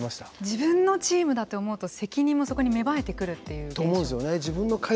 自分のチームだと思うと責任もそこに芽生えてくると。と思うんですよね。